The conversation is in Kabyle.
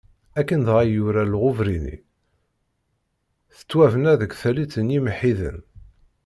Akken dɣa i yura Lɣubrini, tettwabna deg tallit n yimweḥḥiden.